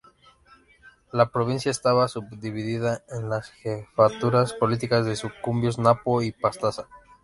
La provincia estaba subdividida en las jefaturas políticas de Sucumbíos, Napo y Pastaza.